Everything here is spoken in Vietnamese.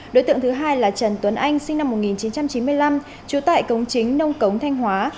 đối tượng thứ hai là trần tuấn anh sinh năm một nghìn chín trăm chín mươi năm trú tại cống chính nông cống thanh hóa